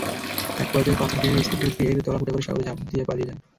একপর্যায়ে পাচারকারীরা স্পিডবোটটির তলা ফুটো করে সাগরে ঝাঁপ দিয়ে পালিয়ে যায়।